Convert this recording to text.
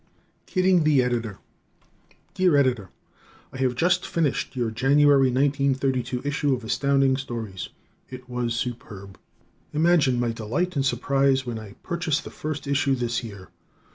Kidding the Editor Dear Editor: I have just finished your January, 1932, issue of Astounding Stories. It was superb. Imagine my delight and surprise when I purchased the first issue this year!